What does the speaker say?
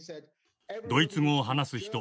ドイツ語を話す人